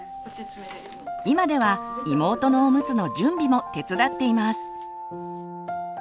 今では妹のおむつの準備も手伝っています。